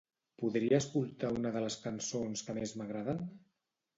Podria escoltar una de les cançons que més m'agraden?